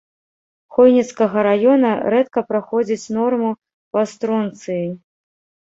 Хойніцкага раёна рэдка праходзіць норму па стронцыі.